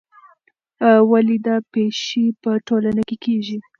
ولې دا پېښې په ټولنه کې کیږي؟